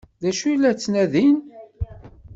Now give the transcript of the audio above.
D acu ay la ttnadin?